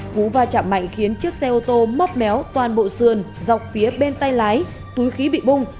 cú va chạm mạnh khiến chiếc xe ô tô móc méo toàn bộ sườn dọc phía bên tay lái túi khí bị bung